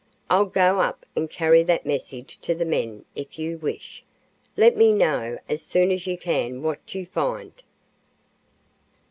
I'll go up and carry that message to the men, if you wish. Let me know as soon as you can what you find."